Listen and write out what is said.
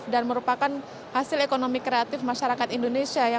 dan merupakan hasil ekonomi kreatif masyarakat indonesia